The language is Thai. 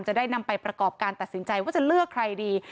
จะได้นำไปประกอบการตัดสินใจว่าจะเลือกใครดี